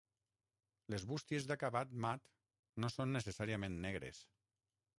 Les bústies d'acabat mat, no són necessàriament negres.